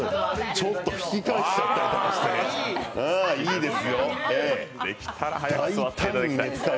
ちょっと引き返しちゃったりとかしてね、いいですよ、ええ。